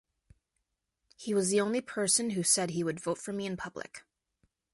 He was the only person who said he would vote for me in public.